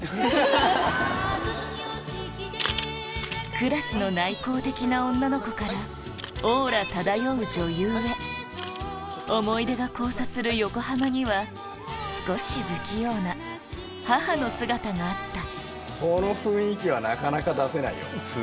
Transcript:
クラスの内向的な女の子からオーラ漂う女優へ思い出が交差する横浜には少し不器用な母の姿があったこの雰囲気はなかなか出せない。